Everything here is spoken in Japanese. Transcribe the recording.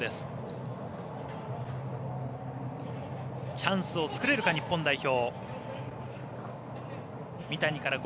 チャンスを作れるか日本代表。